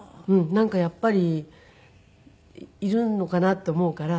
なんかやっぱりいるのかなと思うから。